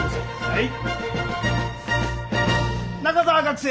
はい。